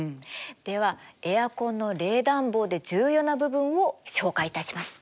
ではエアコンの冷暖房で重要な部分を紹介いたします！